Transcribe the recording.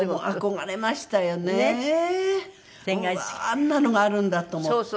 あんなのがあるんだ！と思って。